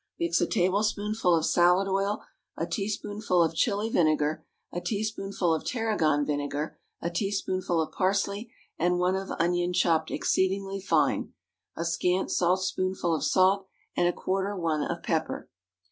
Mix a tablespoonful of salad oil, a teaspoonful of Chili vinegar, a teaspoonful of tarragon vinegar, a teaspoonful of parsley and one of onion chopped exceedingly fine, a scant saltspoonful of salt, and a quarter one of pepper.